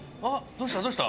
どうした？